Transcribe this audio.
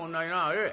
ええ？